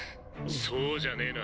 そうじゃねぇな。